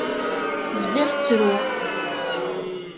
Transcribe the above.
Bdiɣ ttruɣ.